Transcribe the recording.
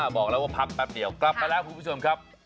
บอกแล้วว่าพักแป๊บเดียวกลับมาแล้วคุณผู้ชมครับ